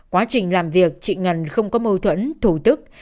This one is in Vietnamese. quá trình làm việc chị ngân không có mâu thuẫn thủ tức